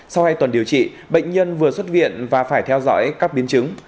sau hai tuần điều trị bệnh nhân vừa xuất viện và phải theo dõi các biến chứng